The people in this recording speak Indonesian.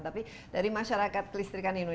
tapi dari masyarakat kita kita bisa mengambil keuntungan